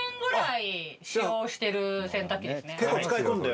結構使い込んで。